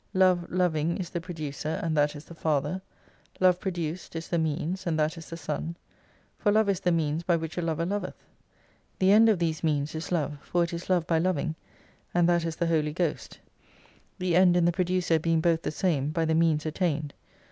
Love loving is the Producer, and that is the Father : Love produced is the Means, and that is the Son : For Love is the means by which a lover loveth. The End of these Means is Love : for it is love by lovincf : and that is the Holy Ghost. The End and the Pro ducer being both the same, by the Means attained.